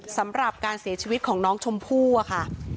สำหรับการเสียชีวิตของน้องชมพู่อะค่ะ